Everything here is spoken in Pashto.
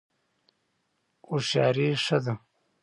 هوښیاري ښه ده.